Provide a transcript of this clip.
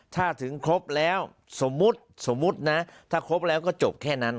ถ้าถึงครบแล้วสมมุติสมมุตินะถ้าครบแล้วก็จบแค่นั้น